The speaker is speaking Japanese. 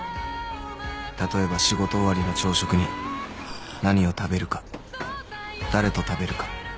［例えば仕事終わりの朝食に何を食べるか誰と食べるか］